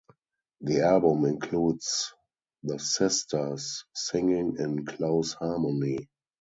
The album includes the sisters singing in close harmony.